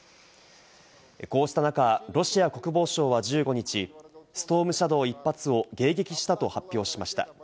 こうした中、ロシア国防省は１５日、「ストームシャドー」１発を迎撃したと発表しました。